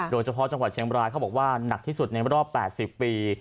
โดยเฉพาะจังหวัดเชียงบรายเขาบอกว่าหนักที่สุดในรอบ๘๐ปี